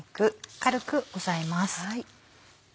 軽く押さえます。